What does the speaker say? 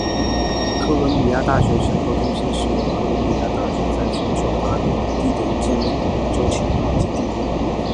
哥伦比亚大学全球中心是由哥伦比亚大学在全球八个地点建立的研究前哨基地。